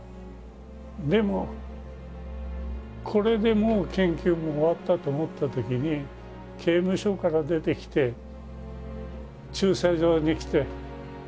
でもこれでもう研究も終わったと思ったときに刑務所から出てきて駐車場に来て。